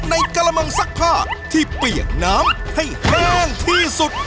ในกระมังซักผ้าที่เปียกน้ำให้แห้งที่สุด